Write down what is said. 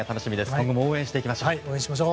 今後も応援していきましょう。